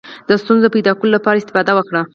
د ستونزو د پیدا کولو لپاره استفاده وکړه.